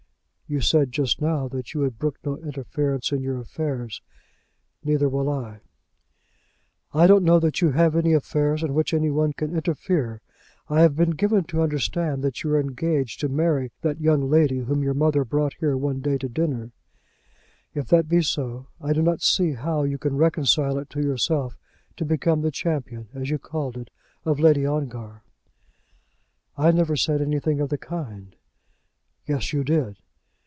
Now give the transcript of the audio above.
"You said just now that you would brook no interference in your affairs. Neither will I." "I don't know that you have any affairs in which any one can interfere. I have been given to understand that you are engaged to marry that young lady whom your mother brought here one day to dinner. If that be so, I do not see how you can reconcile it to yourself to become the champion, as you called it, of Lady Ongar." "I never said anything of the kind." "Yes, you did."